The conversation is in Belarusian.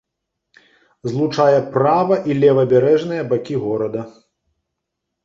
Злучае права- і левабярэжныя бакі горада.